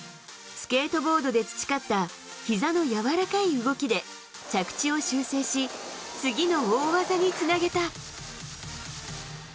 スケートボードで培ったひざの柔らかい動きで着地を修正し、次の大技につなげた。